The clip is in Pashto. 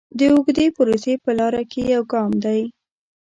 د اوږدې پروسې په لاره کې یو ګام دی.